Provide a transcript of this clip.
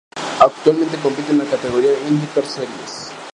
Actualmente compite en la categoría IndyCar Series.